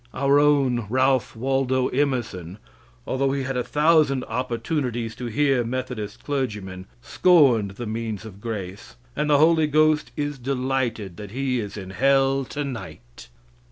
Our own Ralph Waldo Emerson, although he had a thousand opportunities to hear Methodist clergymen, scorned the means of grace, and the Holy Ghost is delighted that he is in hell tonight.